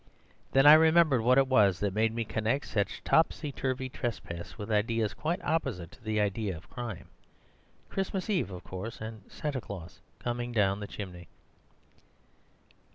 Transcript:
Then I remembered what it was that made me connect such topsy turvy trespass with ideas quite opposite to the idea of crime. Christmas Eve, of course, and Santa Claus coming down the chimney.